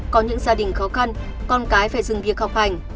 có những gia đình khó khăn con cái phải dừng việc học hành